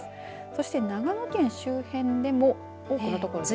そして長野県周辺でも多くの所で。